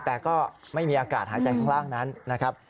แต่ก็ไม่มีอากาศหายใจข้างล่างนั้นนะครับ